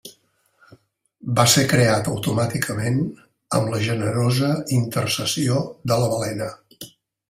Va ser creat automàticament amb la generosa intercessió de la balena.